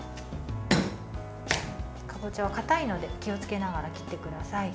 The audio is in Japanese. かぼちゃはかたいので気をつけながら切ってください。